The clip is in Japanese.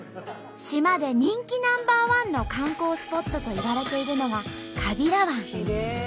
島で人気ナンバーワンの観光スポットといわれているのが川平湾。